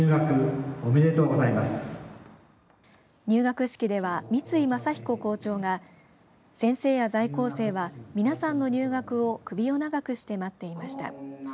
入学式では三井正彦校長が先生や在校生は、皆さんの入学を首を長くして待っていました。